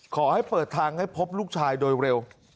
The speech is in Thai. ขอให้เปิดทางให้พบลูกชายโดยเร็ว